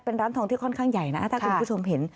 เป็นร้านทองที่ค่อนข้างใหญ่นะถ้าคุณผู้ชมเห็น